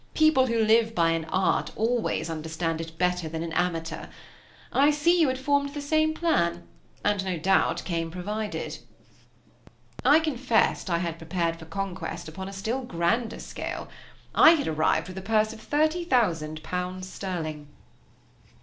People who live by an art always understand it better than an amateur. I see you had formed the same plan, and no doubt came provided." I confessed I had prepared for conquest upon a still grander scale. I had arrived with a purse of thirty thousand pounds sterling.